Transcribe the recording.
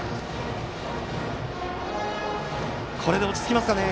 これで落ち着きますかね。